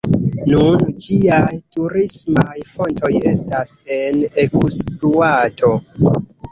Nun ĝiaj turismaj fontoj estas en ekspluato.